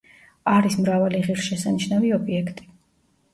არის მრავალი ღირსშესანიშნავი ობიექტი.